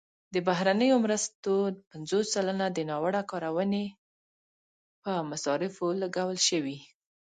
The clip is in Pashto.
د بهرنیو مرستو پنځوس سلنه د ناوړه کارونې په مصارفو لګول شوي.